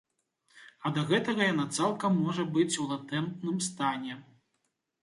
А да гэтага яна цалкам можа быць у латэнтным стане.